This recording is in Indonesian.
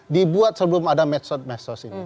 dibuat sebelum ada medsos medsos ini